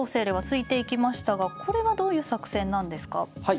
麗は突いていきましたがこれはどういう作戦なんですか。